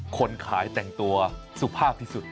คนขายแต่งตัวสุภาพที่สุด